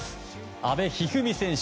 阿部一二三選手